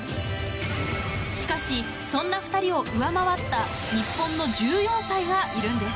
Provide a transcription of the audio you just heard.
しかし、そんな２人を上回った日本の１４歳がいるんです。